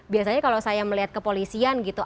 biasanya kalau saya melihat kepolisian gitu